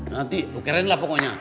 nanti keren lah pokoknya